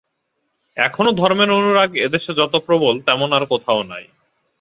এখনও ধর্মের অনুরাগ এদেশে যত প্রবল, তেমন আর কোথাও নাই।